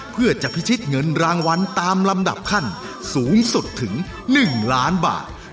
เพื่อจะพิชิตเงินรางวัลตามลำดับขั้นสูงสุดถึง๑ล้านบาท